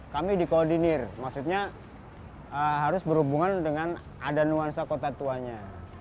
kami dikoordinir maksudnya harus berhubungan dengan ada nuansa kota tuanya